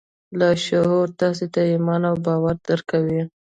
لاشعور تاسې ته ایمان او باور درکوي